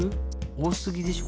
おおすぎでしょ